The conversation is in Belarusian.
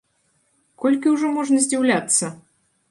Колькі ўжо можна здзіўляцца?